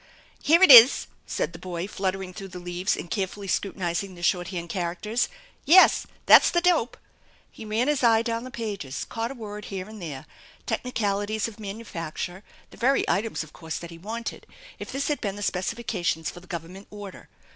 " Here it is !" said the boy, fluttering through the leaves and carefully scrutinizing the short hand characters. " Yes, that's the dope! 7 ' He ran his eye down the pages, caught a word here and there, technicalities of manufacture, the very items, of course, that he wanted, if this had been the specifications for the Gov ernment order.